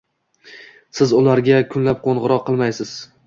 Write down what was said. Siz ularga kunlab qoʻngʻiroq qilmaysiz